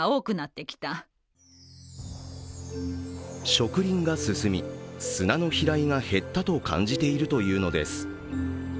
植林が進み、砂の飛来が減ったと感じているというのです。